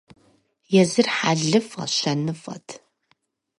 Езыр хьэлыфӀэ-щэныфӀэт.